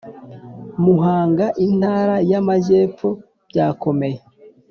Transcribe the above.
Muhanga Intara y Amajyepfo byakomeye